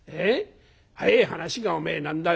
早え話がおめえ何だよ